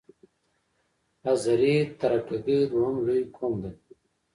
آذری ترکګي دویم لوی قوم دی.